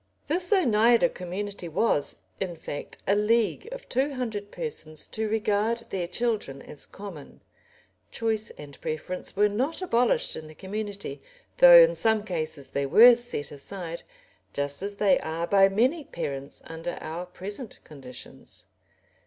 This Oneida community was, in fact, a league of two hundred persons to regard their children as "common." Choice and preference were not abolished in the community, though in some cases they were set aside just as they are by many parents under our present conditions.